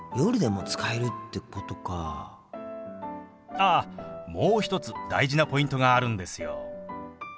あっもう一つ大事なポイントがあるんですよ。